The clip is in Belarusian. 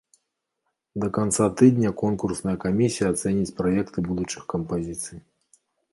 Да канца тыдня конкурсная камісія ацэніць праекты будучых кампазіцый.